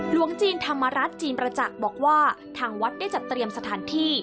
หลวงจีนธรรมรัฐจีนประจักษ์บอกว่าทางวัดได้จัดเตรียมสถานที่